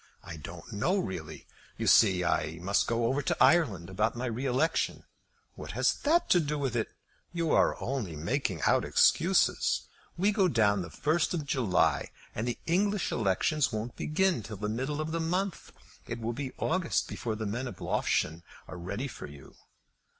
"I don't know really. You see I must go over to Ireland about my re election." "What has that to do with it? You are only making out excuses. We go down on the first of July, and the English elections won't begin till the middle of the month. It will be August before the men of Loughshane are ready for you."